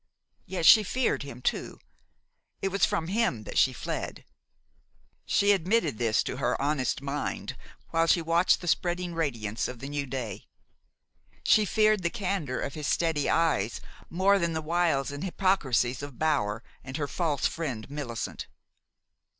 Yet she feared him too. It was from him that she fled. She admitted this to her honest mind while she watched the spreading radiance of the new day. She feared the candor of his steady eyes more than the wiles and hypocrisies of Bower and her false friend, Millicent.